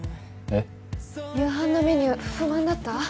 えっ？夕飯のメニュー不満だった？